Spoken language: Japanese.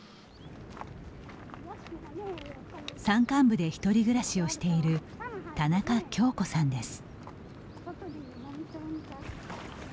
山間部で１人暮らしをしている田中恭子さんです。